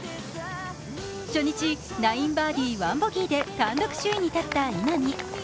初日９バーディー、１ボギーで単独首位に立った稲見。